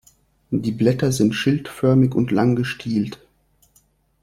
Die Blätter sind schildförmig und lang gestielt.